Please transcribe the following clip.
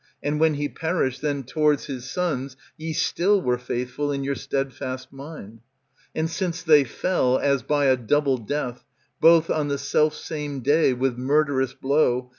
And, when he perished, then towards his sons Ye still were faithful in your steadfast mind. And since they fell, as by a double death, ^^® Both on the selfsame day with murderous blow.